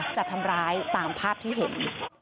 จะทำร้ายตามภาพที่เห็น